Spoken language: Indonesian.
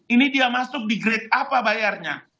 ini dia masuk di grade apa bayarnya